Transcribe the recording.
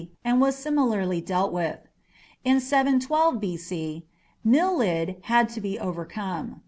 and was similarly dealt with. In 712 B.C. Milid had to be overcome.